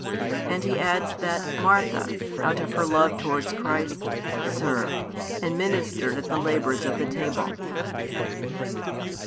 And he adds that Martha, out of her love towards Christ, served, and ministered at the labours of the table.